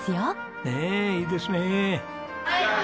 ねえいいですね。